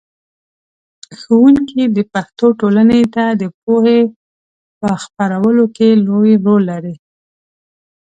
ښوونکی د پښتنو ټولنې ته د پوهې په خپرولو کې لوی رول لري.